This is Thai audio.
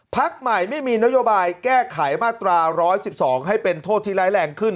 พักใหม่ไม่มีนโยบายแก้ไขมาตรา๑๑๒ให้เป็นโทษที่ร้ายแรงขึ้น